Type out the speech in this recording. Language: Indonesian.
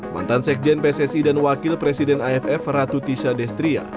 mantan sekjen pssi dan wakil presiden aff ratu tisha destria